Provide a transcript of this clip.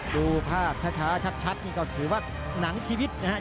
ดูภาพช้าชัดนี่ก็ถือว่าหนังชีวิตนะครับ